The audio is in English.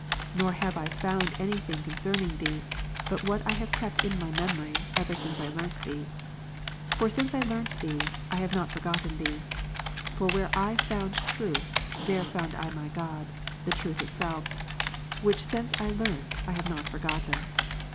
Nor have I found any thing concerning Thee, but what I have kept in memory, ever since I learnt Thee^ For since I learnt Thee, I have not forgotten Thee. For where I found Truth, there found I my God, the Truth Itself"; which since I learnt, I have not forgotten.